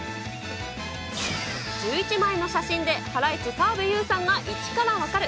１１枚の写真でハライチ・澤部佑さんが１からわかる！